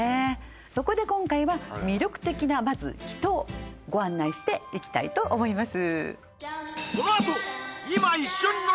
そこで今回は魅力的なまず人ご案内していきたいと思います